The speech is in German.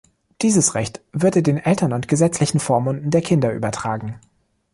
Dieses Recht würde den Eltern und gesetzlichen Vormunden der Kinder übertragen.